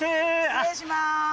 失礼します。